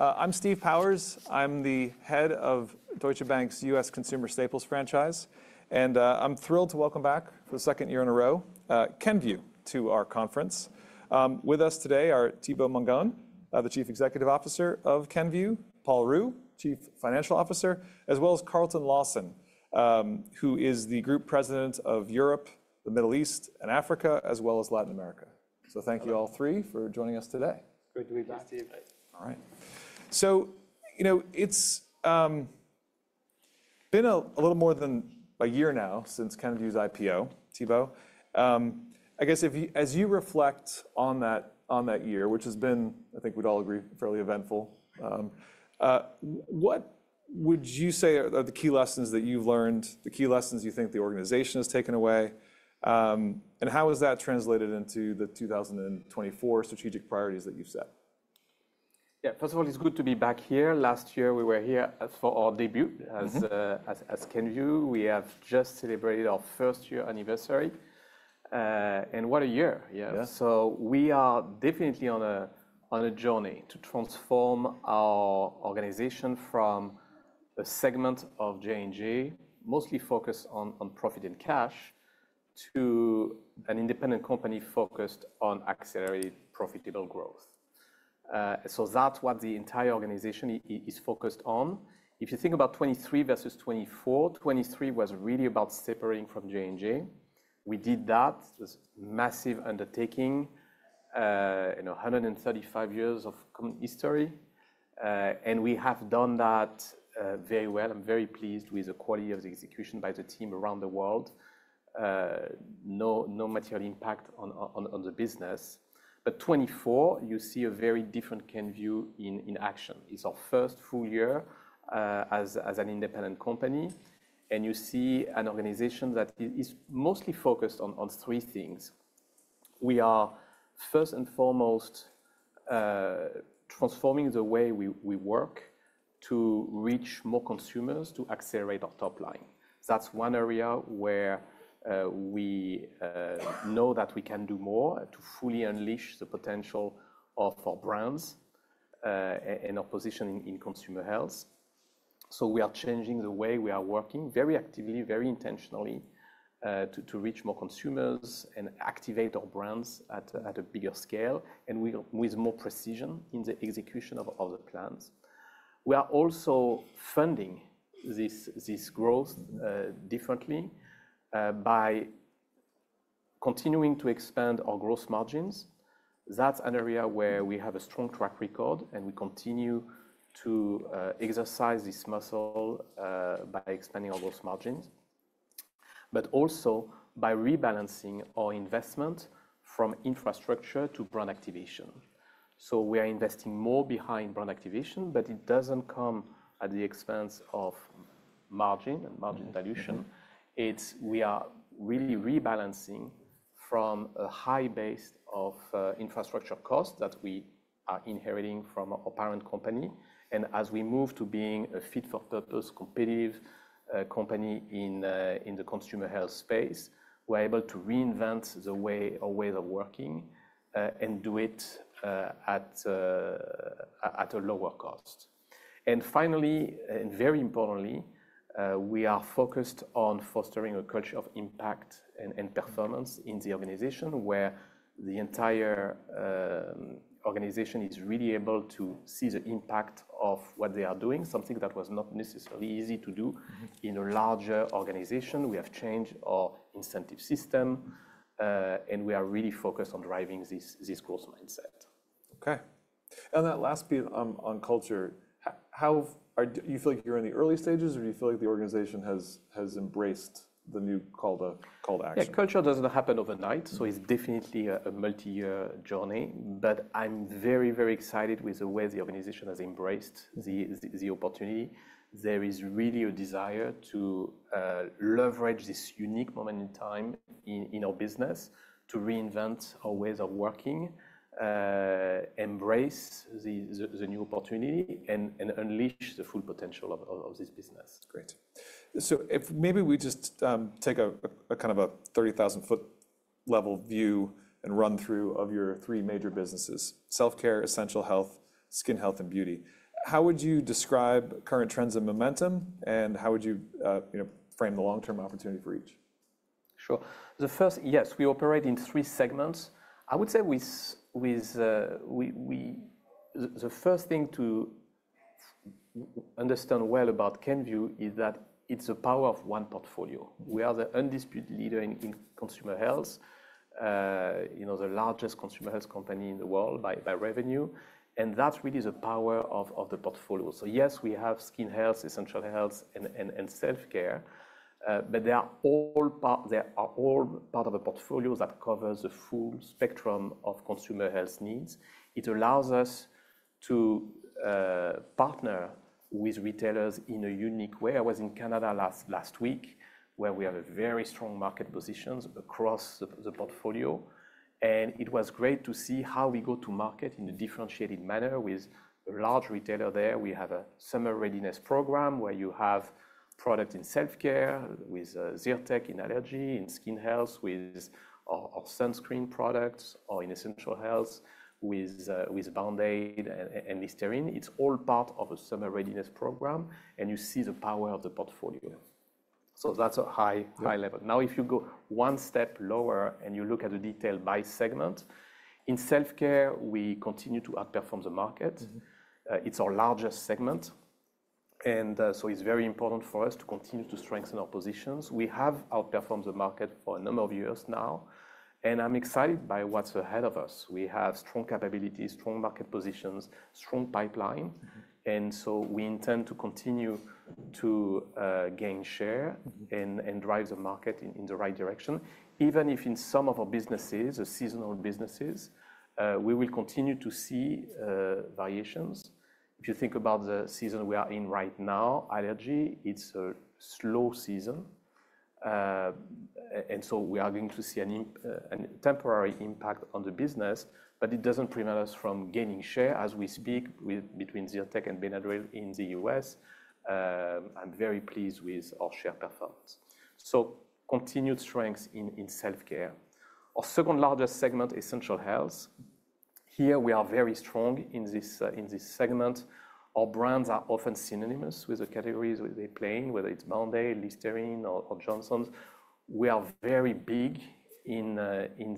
I'm Steve Powers. I'm the head of Deutsche Bank's US Consumer Staples franchise, and I'm thrilled to welcome back, for the second year in a row, Kenvue to our conference. With us today are Thibaut Mongon, the Chief Executive Officer of Kenvue, Paul Ruh, Chief Financial Officer, as well as Carlton Lawson, who is the Group President of Europe, the Middle East, and Africa, as well as Latin America. So thank you all three for joining us today. Great to be back, Steve. Thanks. All right. So, you know, it's been a little more than a year now since Kenvue's IPO, Thibaut. I guess if you—as you reflect on that, on that year, which has been, I think we'd all agree, fairly eventful, what would you say are the key lessons that you've learned, the key lessons you think the organization has taken away? And how has that translated into the 2024 strategic priorities that you've set? Yeah, first of all, it's good to be back here. Last year, we were here as for our debut-... as Kenvue. We have just celebrated our first year anniversary. And what a year! Yeah. Yeah. So we are definitely on a journey to transform our organization from a segment of J&J, mostly focused on profit and cash, to an independent company focused on accelerated profitable growth. So that's what the entire organization is focused on. If you think about 2023 versus 2024, 2023 was really about separating from J&J. We did that. It was massive undertaking, you know, 135 years of company history, and we have done that very well. I'm very pleased with the quality of the execution by the team around the world. No material impact on the business. But 2024, you see a very different Kenvue in action. It's our first full year as an independent company, and you see an organization that is mostly focused on three things. We are, first and foremost, transforming the way we work to reach more consumers to accelerate our top line. That's one area where we know that we can do more to fully unleash the potential of our brands and our positioning in consumer health. So we are changing the way we are working very actively, very intentionally, to reach more consumers and activate our brands at a bigger scale, and with more precision in the execution of all the plans. We are also funding this growth differently by continuing to expand our gross margins. That's an area where we have a strong track record, and we continue to exercise this muscle by expanding our gross margins, but also by rebalancing our investment from infrastructure to brand activation. We are investing more behind brand activation, but it doesn't come at the expense of margin and margin dilution. We are really rebalancing from a high base of infrastructure costs that we are inheriting from our parent company, and as we move to being a fit-for-purpose, competitive company in the consumer health space, we're able to reinvent our ways of working and do it at a lower cost. And finally, and very importantly, we are focused on fostering a culture of impact and performance in the organization, where the entire organization is really able to see the impact of what they are doing, something that was not necessarily easy to do-... in a larger organization. We have changed our incentive system, and we are really focused on driving this growth mindset. Okay. And that last bit, on culture, do you feel like you're in the early stages, or do you feel like the organization has embraced the new call to action? Yeah, culture doesn't happen overnight, so it's definitely a multi-year journey. But I'm very, very excited with the way the organization has embraced the opportunity. There is really a desire to leverage this unique moment in time in our business to reinvent our ways of working, embrace the new opportunity, and unleash the full potential of this business. Great. So if maybe we just take a kind of a 30,000-foot level view and run through of your three major businesses: self-care, essential health, skin health, and beauty. How would you describe current trends and momentum, and how would you, you know, frame the long-term opportunity for each? Sure. The first, yes, we operate in three segments. I would say the first thing to understand well about Kenvue is that it's the power of one portfolio. We are the undisputed leader in consumer health, you know, the largest consumer health company in the world by revenue, and that's really the power of the portfolio. So yes, we have skin health, essential health, and self-care, but they are all part of a portfolio that covers the full spectrum of consumer health needs. It allows us to partner with retailers in a unique way. I was in Canada last week, where we have a very strong market positions across the portfolio, and it was great to see how we go to market in a differentiated manner. With a large retailer there, we have a summer readiness program, where you have product in self-care with Zyrtec in allergy, in skin health with our sunscreen products, or in essential health with Band-Aid and Listerine. It's all part of a summer readiness program, and you see the power of the portfolio... That's a high, high level. Now, if you go one step lower and you look at the detail by segment, in self-care, we continue to outperform the market. It's our largest segment, and so it's very important for us to continue to strengthen our positions. We have outperformed the market for a number of years now, and I'm excited by what's ahead of us. We have strong capabilities, strong market positions, strong pipeline, and so we intend to continue to gain share- and drive the market in the right direction. Even if in some of our businesses, the seasonal businesses, we will continue to see variations. If you think about the season we are in right now, allergy, it's a slow season. And so we are going to see a temporary impact on the business, but it doesn't prevent us from gaining share. As we speak, with between Zyrtec and Benadryl in the U.S., I'm very pleased with our share performance, so continued strength in self-care. Our second largest segment is essential health. Here, we are very strong in this segment. Our brands are often synonymous with the categories they play in, whether it's Band-Aid, Listerine or Johnson's. We are very big in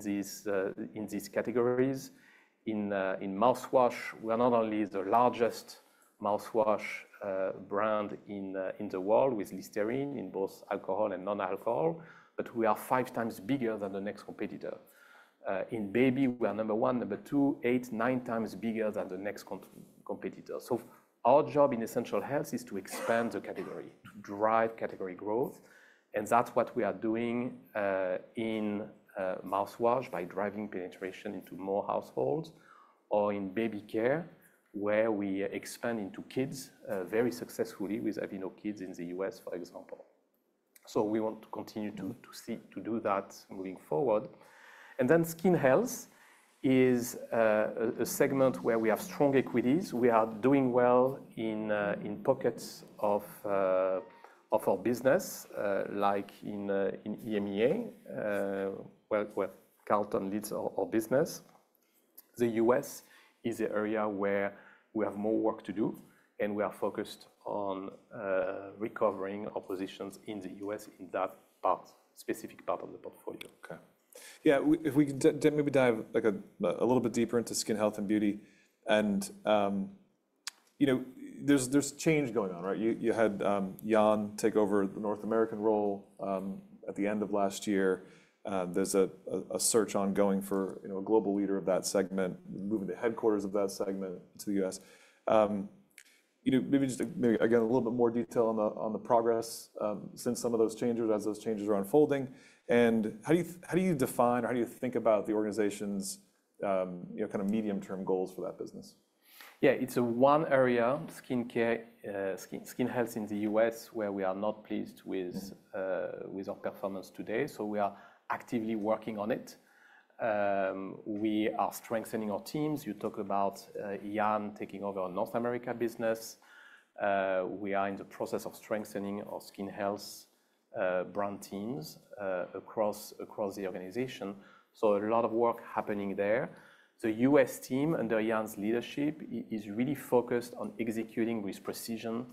these categories. In mouthwash, we are not only the largest mouthwash brand in the world with Listerine, in both alcohol and non-alcohol, but we are five times bigger than the next competitor. In baby, we are number one, number two, eight, nine times bigger than the next competitor. So our job in essential health is to expand the category, drive category growth, and that's what we are doing in mouthwash by driving penetration into more households, or in baby care, where we expand into kids very successfully with Aveeno Kids in the U.S., for example. So we want to continue to do that moving forward. And then skin health is a segment where we have strong equities. We are doing well in pockets of our business, like in EMEA, where Carlton leads our business. The U.S. is an area where we have more work to do, and we are focused on recovering our positions in the U.S. in that part, specific part of the portfolio. Okay. Yeah, if we maybe dive, like, a little bit deeper into skin health and beauty and, you know, there's change going on, right? You had Jan take over the North American role at the end of last year. There's a search ongoing for, you know, a global leader of that segment, moving the headquarters of that segment to the U.S. You know, maybe just maybe, again, a little bit more detail on the progress since some of those changes as those changes are unfolding, and how do you define, or how do you think about the organization's, you know, kind of medium-term goals for that business? Yeah, it's the one area, skin care, skin health in the U.S., where we are not pleased with-... with our performance today, so we are actively working on it. We are strengthening our teams. You talk about, Jan taking over our North America business. We are in the process of strengthening our skin health brand teams across the organization, so a lot of work happening there. The US team, under Jan's leadership, is really focused on executing with precision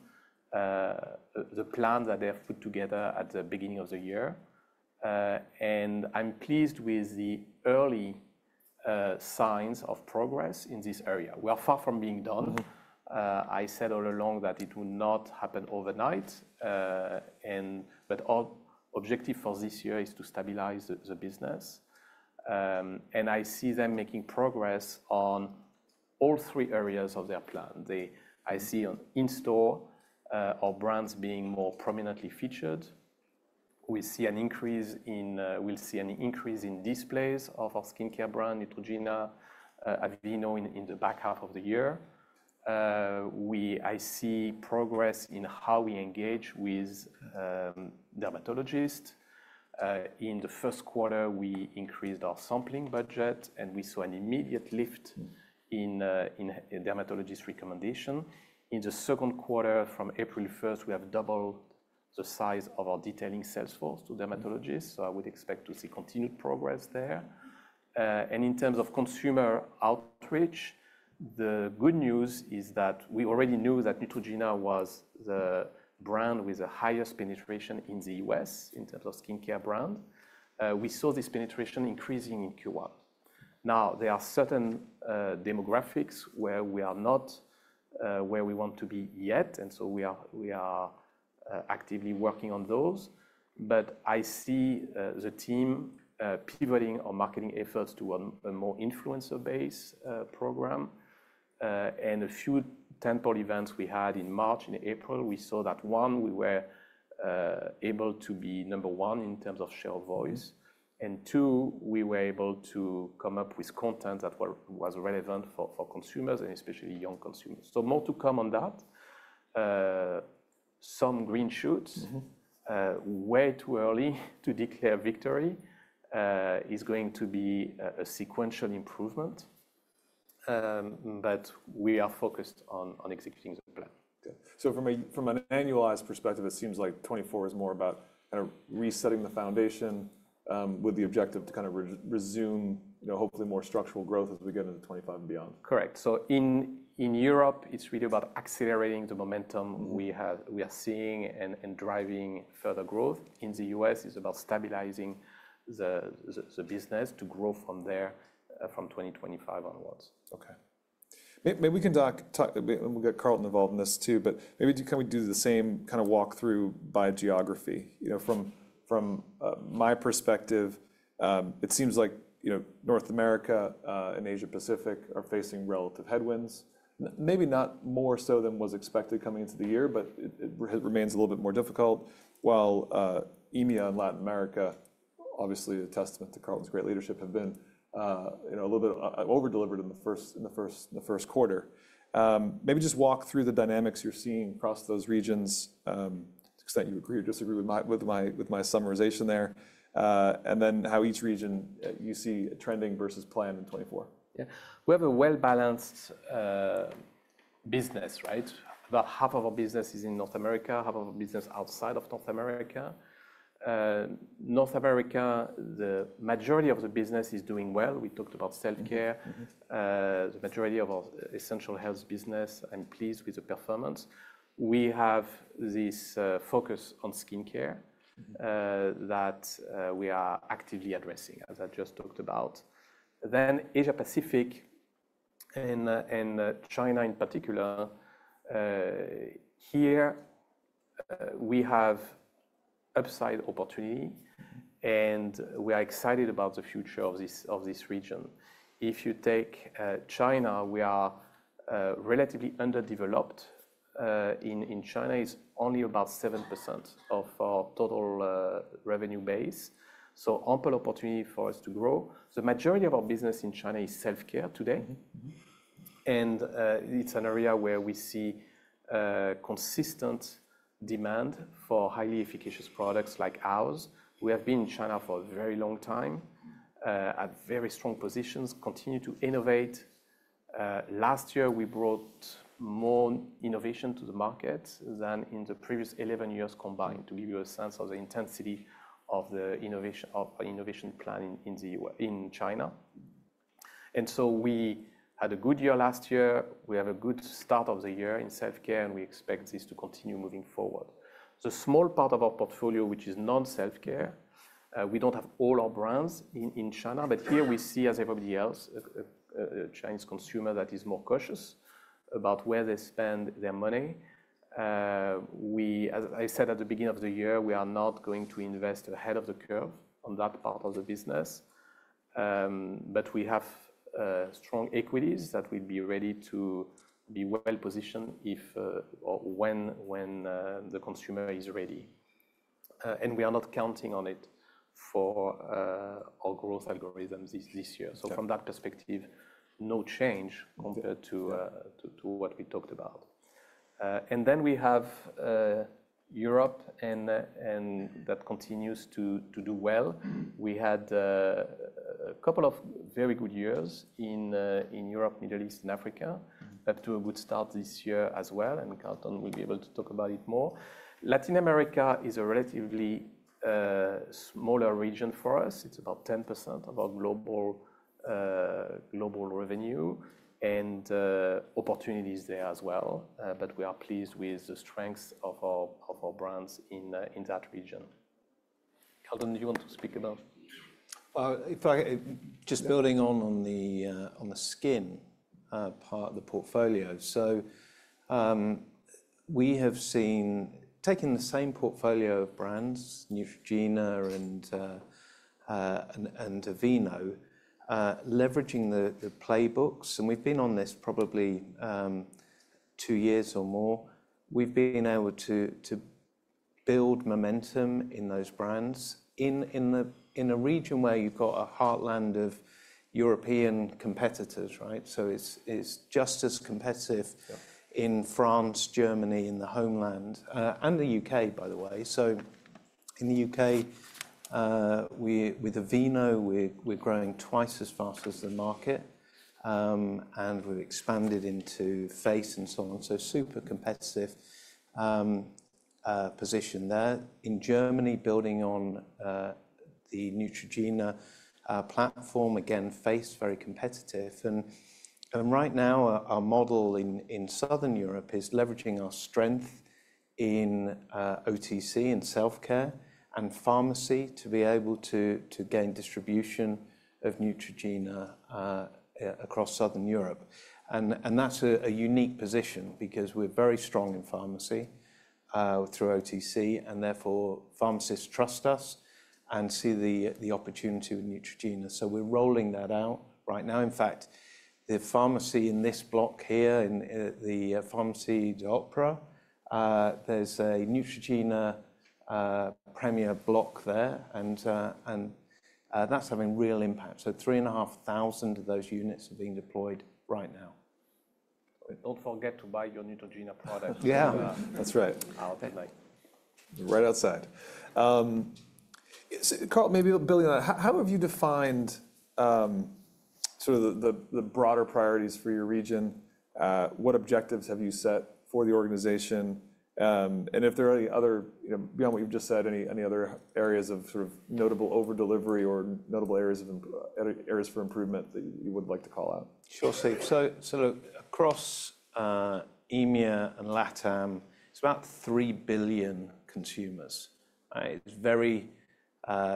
the plan that they have put together at the beginning of the year, and I'm pleased with the early signs of progress in this area. We are far from being done. I said all along that it would not happen overnight, and but our objective for this year is to stabilize the business, and I see them making progress on all three areas of their plan. I see, on in-store, our brands being more prominently featured. We'll see an increase in displays of our skincare brand, Neutrogena, Aveeno, in the back half of the year. I see progress in how we engage with dermatologists. In the first quarter, we increased our sampling budget, and we saw an immediate lift in dermatologists' recommendation. In the second quarter, from April first, we have doubled the size of our detailing sales force to dermatologists, so I would expect to see continued progress there. In terms of consumer outreach, the good news is that we already knew that Neutrogena was the brand with the highest penetration in the U.S. in terms of skincare brand. We saw this penetration increasing in Q1. Now, there are certain demographics where we are not where we want to be yet, and so we are actively working on those. But I see the team pivoting our marketing efforts to a more influencer-based program, and a few tentpole events we had in March and April, we saw that, one, we were able to be number one in terms of share of voice, and two, we were able to come up with content that were, was relevant for consumers and especially young consumers. So more to come on that. Some green shoots-... way too early to declare victory. It's going to be a sequential improvement... but we are focused on executing the plan. Okay. So from an annualized perspective, it seems like 2024 is more about kind of resetting the foundation, with the objective to kind of re-resume, you know, hopefully more structural growth as we get into 2025 and beyond. Correct. So in Europe, it's really about accelerating the momentum- We have, we are seeing and driving further growth. In the U.S., it's about stabilizing the business to grow from there, from 2025 onwards. Okay. Maybe we can talk and we'll get Carlton involved in this too, but maybe can we do the same kind of walk-through by geography? You know, from my perspective, it seems like, you know, North America and Asia Pacific are facing relative headwinds. Maybe not more so than was expected coming into the year, but it remains a little bit more difficult. While EMEA and Latin America, obviously a testament to Carlton's great leadership, have been, you know, a little bit over-delivered in the first quarter. Maybe just walk through the dynamics you're seeing across those regions, to the extent you agree or disagree with my summarization there, and then how each region you see trending versus plan in 2024. Yeah. We have a well-balanced business, right? About half of our business is in North America, half of our business outside of North America. North America, the majority of the business is doing well. We talked about self-care. The majority of our essential health business, I'm pleased with the performance. We have this focus on skin care- that we are actively addressing, as I just talked about. Then Asia Pacific and China in particular, here we have upside opportunity, and we are excited about the future of this region. If you take China, we are relatively underdeveloped. In China, it's only about 7% of our total revenue base, so ample opportunity for us to grow. The majority of our business in China is self-care today. It's an area where we see consistent demand for highly efficacious products like ours. We have been in China for a very long time at very strong positions, continue to innovate. Last year, we brought more innovation to the market than in the previous 11 years combined, to give you a sense of the intensity of the innovation plan in China. And so we had a good year last year. We have a good start of the year in self-care, and we expect this to continue moving forward. The small part of our portfolio, which is non-self-care, we don't have all our brands in China, but here we see, as everybody else, a Chinese consumer that is more cautious about where they spend their money. We, as I said at the beginning of the year, we are not going to invest ahead of the curve on that part of the business. But we have strong equities that will be ready to be well positioned if or when the consumer is ready. And we are not counting on it for our growth algorithms this year. Sure. From that perspective, no change. Okay... compared to what we talked about. And then we have Europe, and that continues to do well. We had a couple of very good years in Europe, Middle East, and Africa. Up to a good start this year as well, and Carlton will be able to talk about it more. Latin America is a relatively smaller region for us. It's about 10% of our global revenue, and opportunities there as well, but we are pleased with the strength of our brands in that region. Carlton, do you want to speak about? Just building on the skin part of the portfolio. So, we have seen, taking the same portfolio of brands, Neutrogena and Aveeno, leveraging the playbooks, and we've been on this probably two years or more. We've been able to build momentum in those brands in a region where you've got a heartland of European competitors, right? So it's just as competitive- Yeah... in France, Germany, in the homeland, and the U.K., by the way. In the U.K., we with Aveeno, we're growing twice as fast as the market, and we've expanded into face and so on. Super competitive position there. In Germany, building on the Neutrogena platform, again, face very competitive. Right now, our model in Southern Europe is leveraging our strength in OTC and self-care and pharmacy to be able to gain distribution of Neutrogena across Southern Europe. That's a unique position because we're very strong in pharmacy through OTC, and therefore, pharmacists trust us and see the opportunity with Neutrogena. We're rolling that out right now. In fact, the pharmacy in this block here, in Pharmacie de l'Opéra, there's a Neutrogena premier block there, and that's having real impact. So 3,500 of those units are being deployed right now.... don't forget to buy your Neutrogena products. Yeah, that's right. Out and back. Right outside. So Carl, maybe building on that, how have you defined sort of the broader priorities for your region? What objectives have you set for the organization? And if there are any other, you know, beyond what you've just said, any other areas of sort of notable over-delivery or notable areas of improvement that you would like to call out? Sure. So, look, across EMEA and LATAM, it's about 3 billion consumers. It's very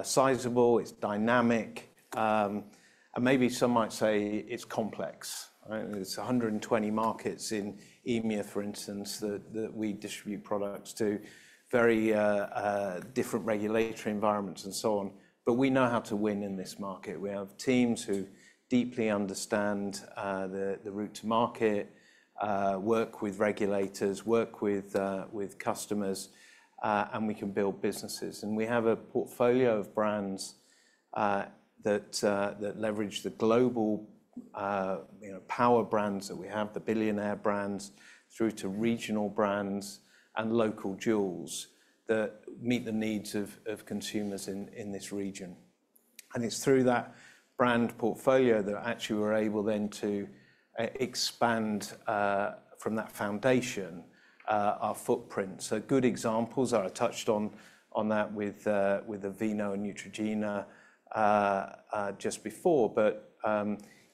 sizable, it's dynamic, and maybe some might say it's complex, right? There's 120 markets in EMEA, for instance, that we distribute products to, very different regulatory environments and so on. But we know how to win in this market. We have teams who deeply understand the route to market, work with regulators, work with customers, and we can build businesses. And we have a portfolio of brands that leverage the global, you know, power brands that we have, the billionaire brands, through to regional brands and local jewels that meet the needs of consumers in this region. It's through that brand portfolio that actually we're able then to expand from that foundation our footprint. So good examples are, I touched on that with Aveeno and Neutrogena just before. But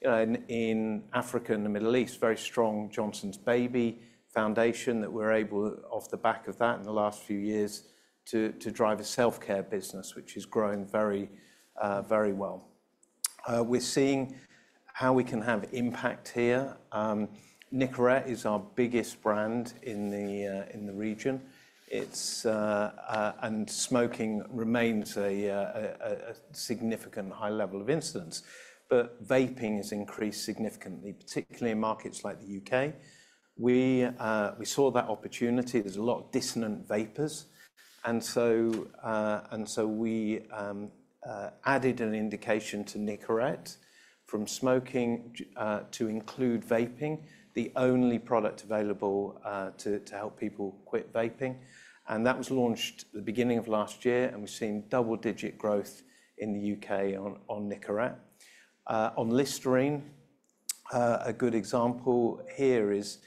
you know, in Africa and the Middle East, very strong Johnson's Baby foundation that we're able, off the back of that in the last few years, to drive a self-care business, which is growing very well. We're seeing how we can have impact here. Nicorette is our biggest brand in the region. It's. And smoking remains a significant high level of incidence, but vaping has increased significantly, particularly in markets like the U.K. We saw that opportunity. There's a lot of dissonant vapers, and so we added an indication to Nicorette from smoking to include vaping, the only product available to help people quit vaping. That was launched at the beginning of last year, and we've seen double-digit growth in the U.K. on Nicorette. On Listerine, a good example here is,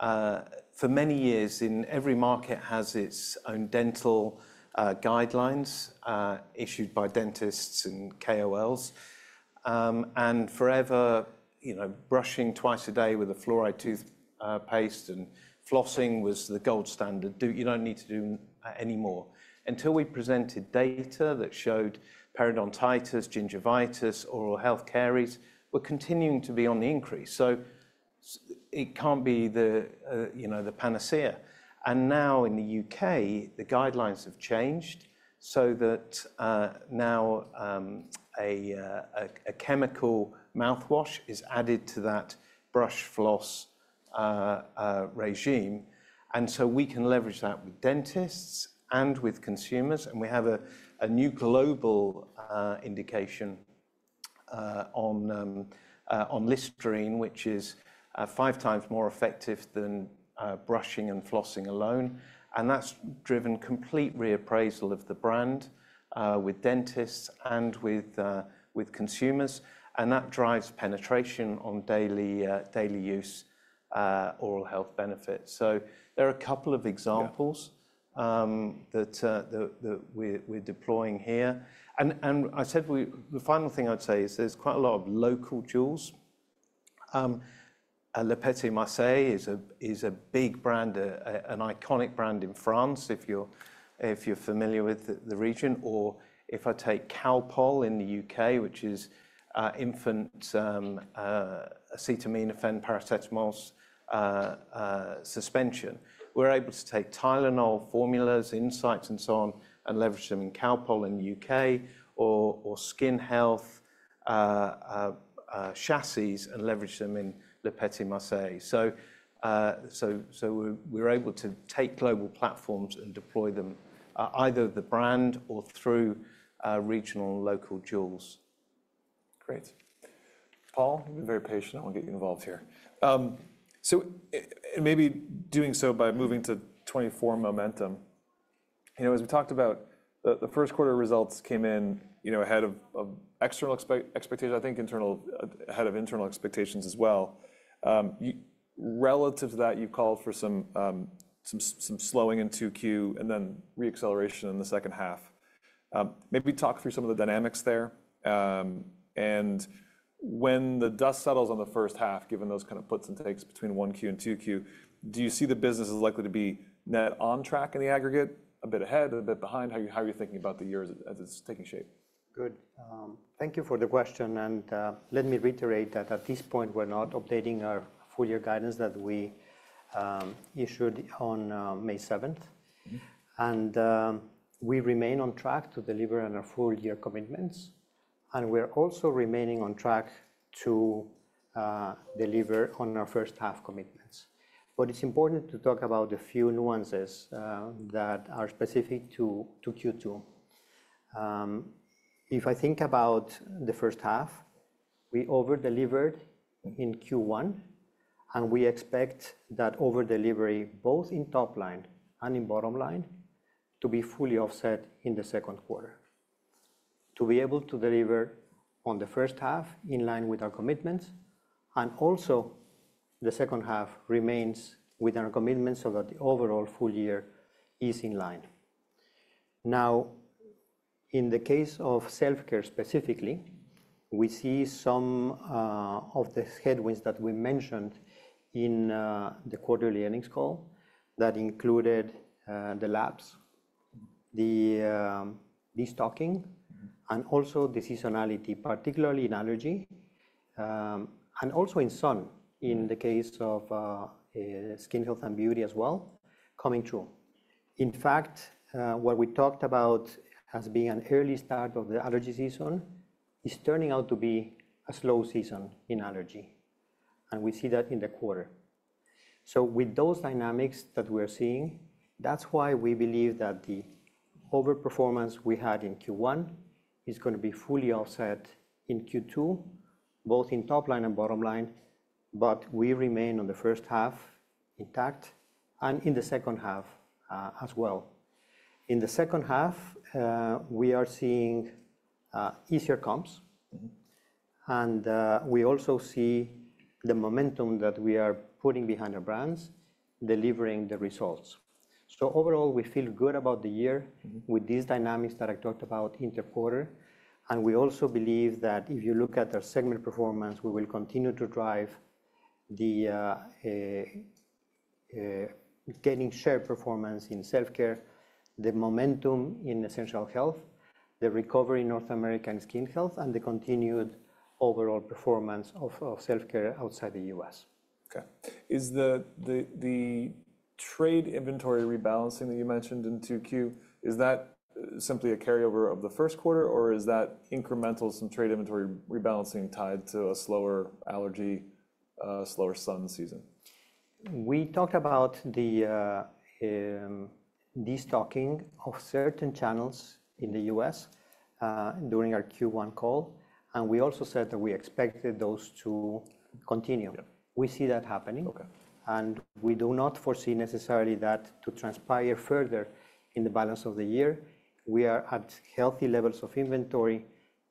for many years, in every market has its own dental guidelines issued by dentists and KOLs. And forever, you know, brushing twice a day with a fluoride toothpaste and flossing was the gold standard. You don't need to do that anymore. Until we presented data that showed periodontitis, gingivitis, oral health caries were continuing to be on the increase. So it can't be the, you know, the panacea. Now in the U.K., the guidelines have changed so that a chemical mouthwash is added to that brush, floss, regimen. So we can leverage that with dentists and with consumers, and we have a new global indication on Listerine, which is five times more effective than brushing and flossing alone. And that's driven complete reappraisal of the brand with dentists and with consumers, and that drives penetration on daily-use oral health benefits. So there are a couple of examples. Yeah... that we're deploying here. The final thing I'd say is there's quite a lot of local jewels. Le Petit Marseillais is a big brand, an iconic brand in France, if you're familiar with the region, or if I take Calpol in the U.K., which is an infant acetaminophen, paracetamol suspension. We're able to take Tylenol formulas, insights, and so on, and leverage them in Calpol in the U.K., or skin health chassis and leverage them in Le Petit Marseillais. So we're able to take global platforms and deploy them either the brand or through regional and local jewels. Great. Paul, you've been very patient. I want to get you involved here. So, maybe doing so by moving to 2024 momentum. You know, as we talked about, the first quarter results came in, you know, ahead of external expectations. I think ahead of internal expectations as well. You, relative to that, you've called for some slowing in 2Q, and then re-acceleration in the second half. Maybe talk through some of the dynamics there. And when the dust settles on the first half, given those kind of puts and takes between 1Q and 2Q, do you see the business is likely to be net on track in the aggregate, a bit ahead or a bit behind? How are you thinking about the year as it's taking shape? Good. Thank you for the question, and let me reiterate that at this point, we're not updating our full year guidance that we issued on May 7th. We remain on track to deliver on our full year commitments, and we're also remaining on track to deliver on our first half commitments. But it's important to talk about a few nuances that are specific to Q2. If I think about the first half, we over-delivered in Q1, and we expect that over-delivery, both in top line and in bottom line, to be fully offset in the second quarter. To be able to deliver on the first half in line with our commitments, and also the second half remains with our commitments so that the overall full year is in line. Now, in the case of self-care specifically, we see some of the headwinds that we mentioned in the quarterly earnings call. That included the labs, the destocking, and also the seasonality, particularly in allergy, and also in sun, in the case of skin health and beauty as well, coming true. In fact, what we talked about as being an early start of the allergy season is turning out to be a slow season in allergy, and we see that in the quarter. So with those dynamics that we're seeing, that's why we believe that the overperformance we had in Q1 is gonna be fully offset in Q2, both in top line and bottom line, but we remain on the first half intact and in the second half, as well. In the second half, we are seeing easier comps. We also see the momentum that we are putting behind our brands delivering the results. Overall, we feel good about the year. with these dynamics that I talked about in the quarter, and we also believe that if you look at our segment performance, we will continue to drive the gaining share performance in self-care, the momentum in essential health, the recovery in North American skin health, and the continued overall performance of self-care outside the U.S. Okay. Is the trade inventory rebalancing that you mentioned in 2Q, is that simply a carryover of the first quarter, or is that incremental, some trade inventory rebalancing tied to a slower allergy, slower sun season? We talked about the destocking of certain channels in the U.S. during our Q1 call, and we also said that we expected those to continue. Yeah. We see that happening. Okay. We do not foresee necessarily that to transpire further in the balance of the year. We are at healthy levels of inventory.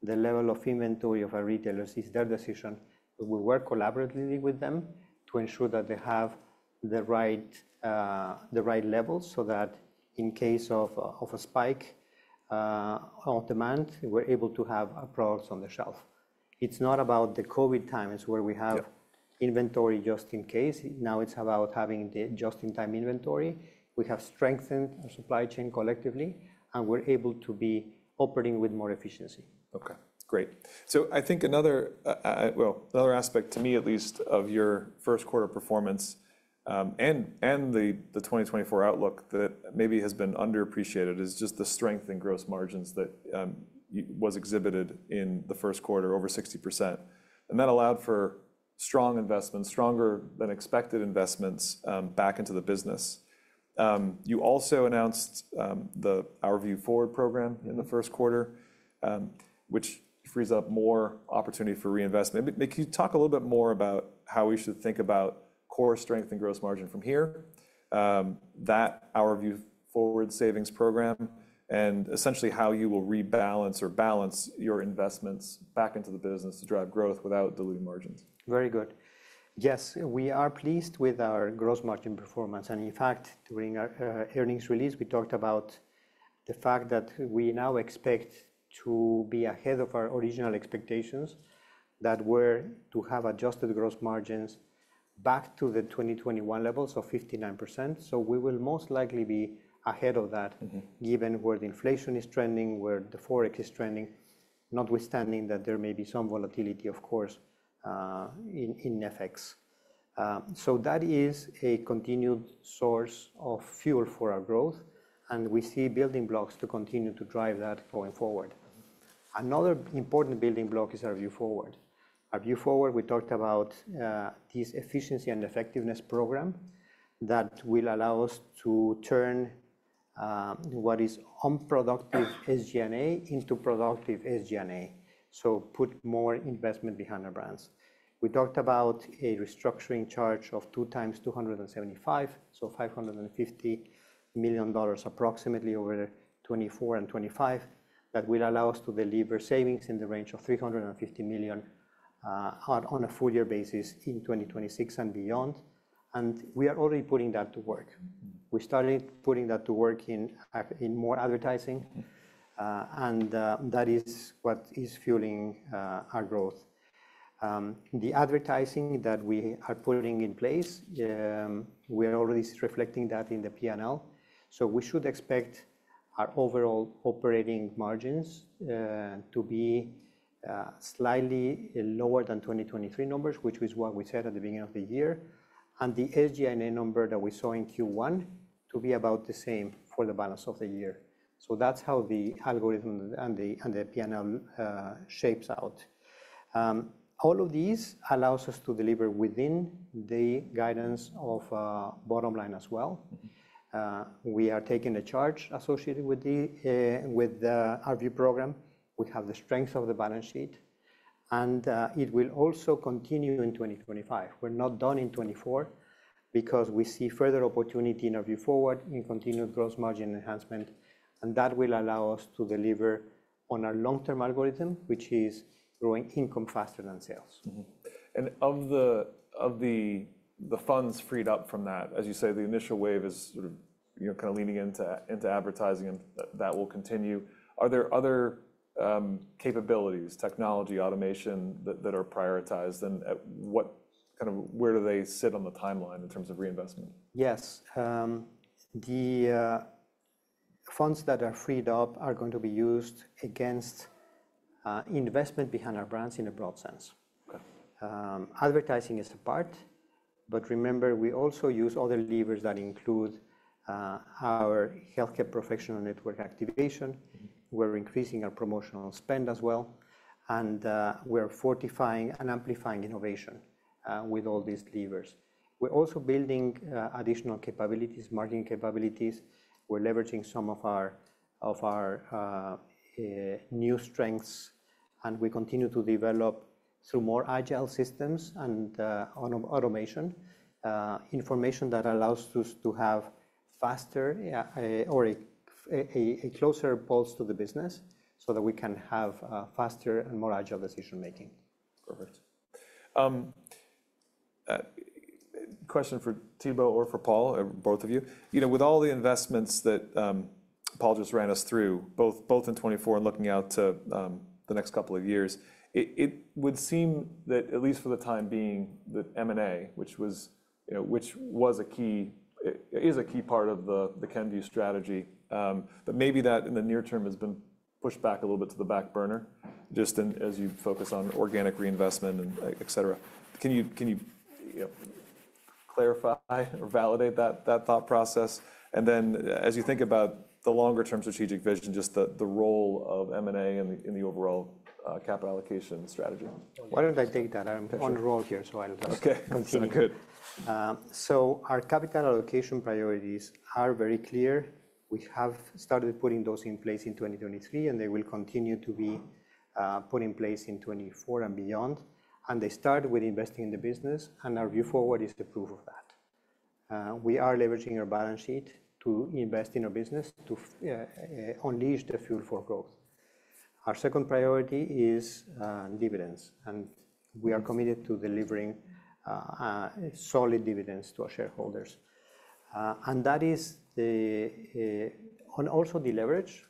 The level of inventory of our retailers is their decision, but we work collaboratively with them to ensure that they have the right, the right levels, so that in case of a spike on demand, we're able to have our products on the shelf. It's not about the COVID times. Yeah... where we have inventory just in case. Now it's about having the just-in-time inventory. We have strengthened our supply chain collectively, and we're able to be operating with more efficiency. Okay, great. So I think another, well, another aspect to me at least, of your first quarter performance, and the 2024 outlook that maybe has been underappreciated is just the strength in gross margins that was exhibited in the first quarter, over 60%. And that allowed for strong investments, stronger-than-expected investments, back into the business. You also announced the Vue Forward program in the first quarter, which frees up more opportunity for reinvestment. But can you talk a little bit more about how we should think about core strength and gross margin from here, that Vue Forward savings program, and essentially how you will rebalance or balance your investments back into the business to drive growth without diluting margins? Very good. Yes, we are pleased with our gross margin performance, and in fact, during our earnings release, we talked about the fact that we now expect to be ahead of our original expectations that were to have adjusted gross margins back to the 2021 levels, so 59%. So we will most likely be ahead of that-... given where the inflation is trending, where the Forex is trending, notwithstanding that there may be some volatility, of course, in FX. So that is a continued source of fuel for our growth, and we see building blocks to continue to drive that going forward. Another important building block is Vue Forward. Vue Forward, we talked about this efficiency and effectiveness program that will allow us to turn what is unproductive SG&A into productive SG&A, so put more investment behind our brands. We talked about a restructuring charge of 2 times 275, so $550 million approximately over 2024 and 2025. That will allow us to deliver savings in the range of $350 million on a full year basis in 2026 and beyond, and we are already putting that to work. We started putting that to work in, in more advertising-... and, that is what is fueling our growth. The advertising that we are putting in place, we are already reflecting that in the P&L. So we should expect our overall operating margins to be slightly lower than 2023 numbers, which was what we said at the beginning of the year, and the SG&A number that we saw in Q1 to be about the same for the balance of the year. So that's how the algorithm and the, and the P&L shapes out.... All of these allows us to deliver within the guidance of bottom line as well. We are taking a charge associated with the, with the Vue program. We have the strength of the balance sheet, and it will also continue in 2025. We're not done in 2024 because we see further opportunity in Vue Forward in continued gross margin enhancement, and that will allow us to deliver on our long-term algorithm, which is growing income faster than sales. And of the funds freed up from that, as you say, the initial wave is sort of, you know, kind of leaning into advertising, and that will continue. Are there other capabilities, technology, automation, that are prioritized? And what kind of where do they sit on the timeline in terms of reinvestment? Yes. The funds that are freed up are going to be used against investment behind our brands in a broad sense. Okay. Advertising is a part, but remember, we also use other levers that include our healthcare professional network activation. We're increasing our promotional spend as well, and we're fortifying and amplifying innovation with all these levers. We're also building additional capabilities, marketing capabilities. We're leveraging some of our new strengths, and we continue to develop through more agile systems and on automation information that allows us to have faster or a closer pulse to the business so that we can have faster and more agile decision-making. Perfect. Question for Thibaut or for Paul or both of you. You know, with all the investments that, Paul just ran us through, both, both in 2024 and looking out to, the next couple of years, it, it would seem that, at least for the time being, that M&A, which was, you know, which was a key-- is a key part of the, the Kenvue strategy, but maybe that in the near term has been pushed back a little bit to the back burner, just in as you focus on organic reinvestment and, et cetera. Can you, can you, you know, clarify or validate that, that thought process? And then as you think about the longer-term strategic vision, just the, the role of M&A in the, in the overall, capital allocation strategy. Why don't I take that? Sure. I'm on a roll here, so I'll just- Okay. Good. So our capital allocation priorities are very clear. We have started putting those in place in 2023, and they will continue to be put in place in 2024 and beyond. They start with investing in the business, and Vue Forward is the proof of that. We are leveraging our balance sheet to invest in our business, to unleash the fuel for growth. Our second priority is dividends, and we are committed to delivering solid dividends to our shareholders, and that is the... and also deleverage.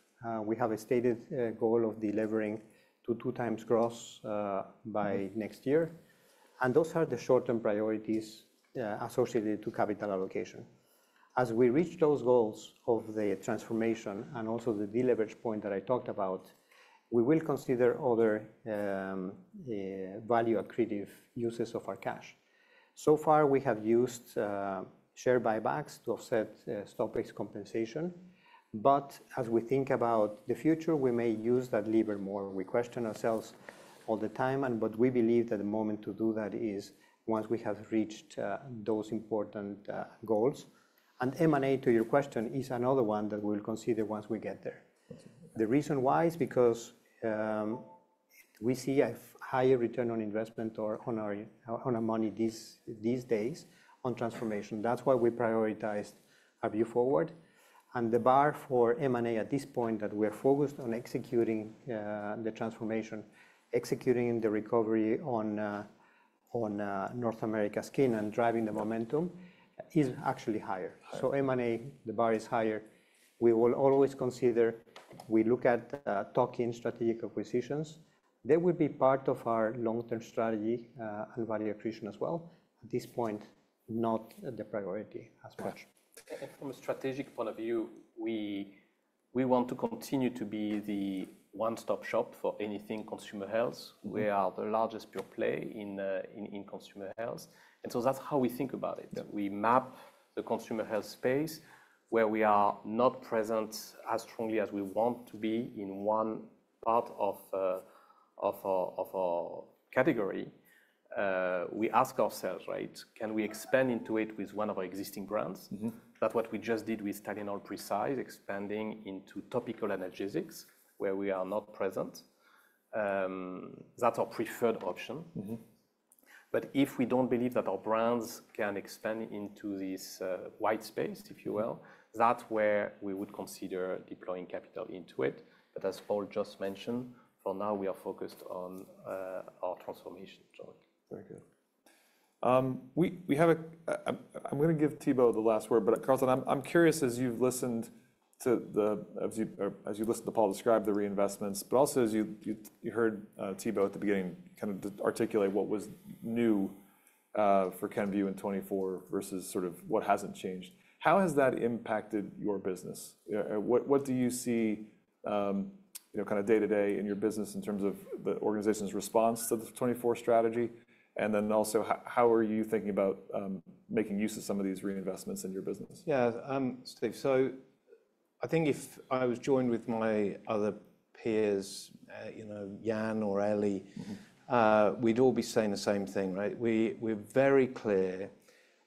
We have a stated goal of delivering to 2x gross by next year, and those are the short-term priorities associated to capital allocation. As we reach those goals of the transformation and also the deleverage point that I talked about, we will consider other, value-accretive uses of our cash. So far, we have used share buybacks to offset stock-based compensation, but as we think about the future, we may use that lever more. We question ourselves all the time, and but we believe that the moment to do that is once we have reached those important goals. And M&A, to your question, is another one that we'll consider once we get there. The reason why is because we see a higher return on investment or on our money these days on transformation. That's why we prioritized Vue Forward. The bar for M&A at this point that we are focused on executing the transformation, executing the recovery on North America Skin and driving the momentum, is actually higher. Higher. M&A, the bar is higher. We will always consider... We look at, talking strategic acquisitions. They will be part of our long-term strategy, and value accretion as well. At this point, not the priority as much. From a strategic point of view, we want to continue to be the one-stop shop for anything consumer health. We are the largest pure play in consumer health, and so that's how we think about it. Yeah. We map the consumer health space where we are not present as strongly as we want to be in one part of our category. We ask ourselves, right: Can we expand into it with one of our existing brands? That's what we just did with Tylenol Precise, expanding into topical analgesics, where we are not present. That's our preferred option. But if we don't believe that our brands can expand into this white space, if you will, that's where we would consider deploying capital into it. But as Paul just mentioned, for now, we are focused on our transformation journey. Very good. We have. I'm gonna give Thibaut the last word, but Carlton, I'm curious, as you've listened to Paul describe the reinvestments, but also as you heard Thibaut at the beginning kind of articulate what was new for Kenvue in 2024 versus sort of what hasn't changed, how has that impacted your business? What do you see, you know, kind of day-to-day in your business in terms of the organization's response to the 2024 strategy? And then also, how are you thinking about making use of some of these reinvestments in your business? Yeah, Steve, I think if I was joined with my other peers, you know, Jan or Ellie, we'd all be saying the same thing, right? We're very clear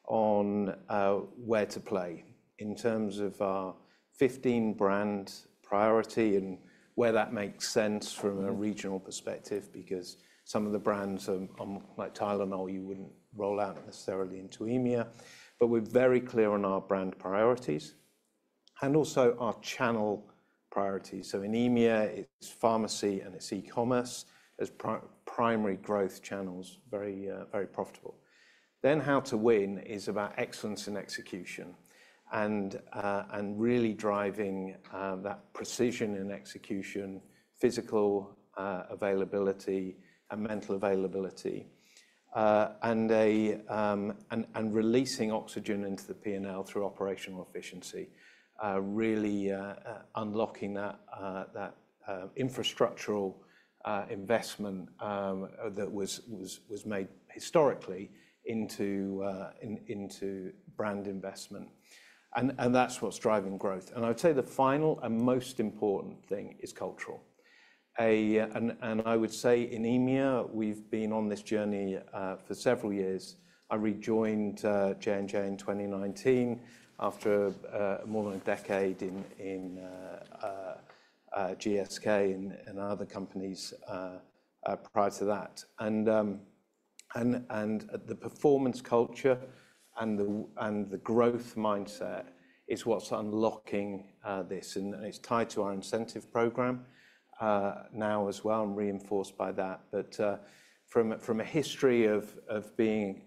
on where to play in terms of our 15 brand priority and where that makes sense from a regional perspective, because some of the brands, like Tylenol, you wouldn't roll out necessarily into EMEA. But we're very clear on our brand priorities and also our channel priorities. So in EMEA, it's pharmacy and it's e-commerce as primary growth channels, very, very profitable. Then how to win is about excellence and execution and, and really driving that precision and execution, physical, availability and mental availability. releasing oxygen into the P&L through operational efficiency, really unlocking that infrastructural investment that was made historically into brand investment. And that's what's driving growth. And I'd say the final and most important thing is cultural. And I would say in EMEA, we've been on this journey for several years. I rejoined J&J in 2019 after more than a decade in GSK and other companies prior to that. And the performance culture and the growth mindset is what's unlocking this, and it's tied to our incentive program now as well, and reinforced by that. But, from a history of being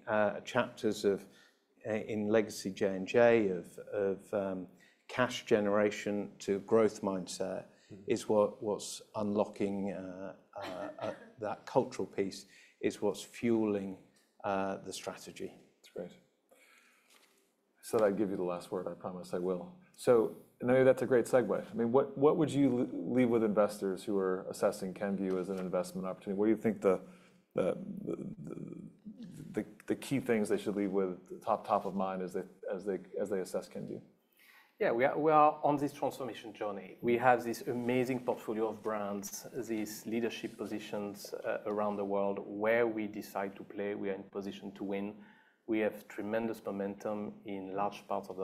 chapters in legacy J&J of cash generation to growth mindset- -is what, what's unlocking that cultural piece, is what's fueling the strategy. That's great. I said I'd give you the last word, I promise I will. So, you know, that's a great segue. I mean, what would you leave with investors who are assessing Kenvue as an investment opportunity? What do you think the key things they should leave with top of mind as they assess Kenvue? Yeah, we are on this transformation journey. We have this amazing portfolio of brands, these leadership positions around the world. Where we decide to play, we are in position to win. We have tremendous momentum in large parts of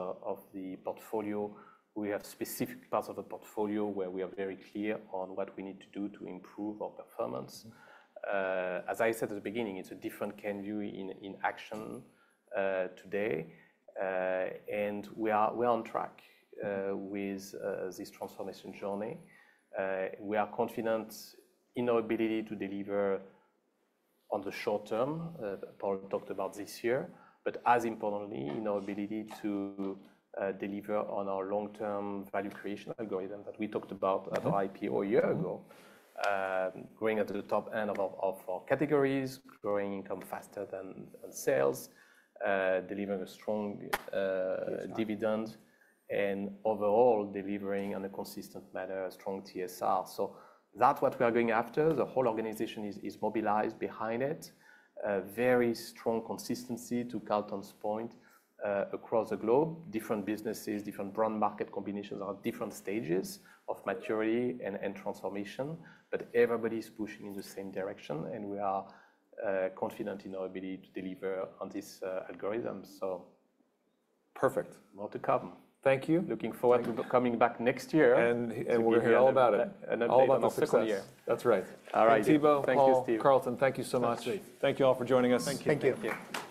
the portfolio. We have specific parts of the portfolio where we are very clear on what we need to do to improve our performance. As I said at the beginning, it's a different Kenvue in action today. We're on track with this transformation journey. We are confident in our ability to deliver on the short term. Paul talked about this year, but as importantly, in our ability to deliver on our long-term value creation algorithm that we talked about at our IPO a year ago. Growing at the top end of our categories, growing income faster than sales, delivering a strong, TSR... dividend, and overall, delivering in a consistent manner a strong TSR. So that's what we are going after. The whole organization is mobilized behind it. A very strong consistency, to Carlton's point, across the globe. Different businesses, different brand market combinations are at different stages of maturity and transformation, but everybody's pushing in the same direction, and we are confident in our ability to deliver on this algorithm. So- Perfect. More to come. Thank you. Looking forward to coming back next year. We'll hear all about it. Update on the second year. That's right. All right. Thibaut- Thank you, Steve. Carlton, thank you so much. That's great. Thank you all for joining us. Thank you. Thank you. Thank you. Thank you very much.